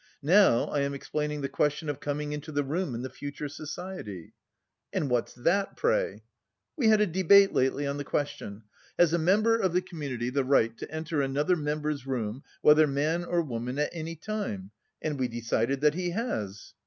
Now I am explaining the question of coming into the room in the future society." "And what's that, pray?" "We had a debate lately on the question: Has a member of the community the right to enter another member's room, whether man or woman, at any time... and we decided that he has!"